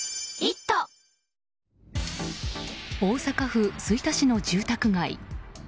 大阪府吹田市の住宅街。